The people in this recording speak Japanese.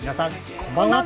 こんばんは。